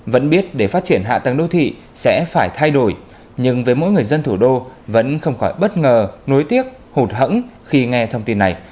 vẫn biết để phát triển hạ tầng đô thị sẽ phải thay đổi nhưng với mỗi người dân thủ đô vẫn không khỏi bất ngờ nối tiếc hụt hẫng khi nghe thông tin này